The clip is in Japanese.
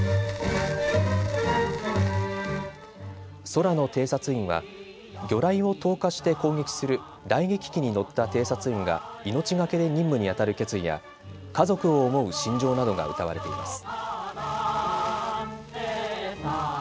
空の偵察員は魚雷を投下して攻撃する雷撃機に乗った偵察員が命懸けで任務にあたる決意や家族を思う心情などが歌われています。